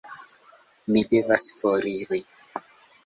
Mi devas foriri.